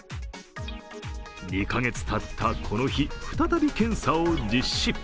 ２か月たったこの日再び検査を実施。